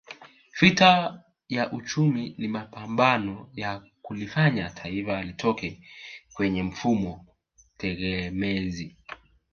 Vita ya uchumi ni mapambano ya kulifanya Taifa litoke kwenye mfumo tegemezi